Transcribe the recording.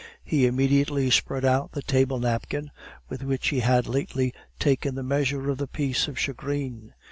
He immediately spread out the table napkin with which he had lately taken the measure of the piece of shagreen.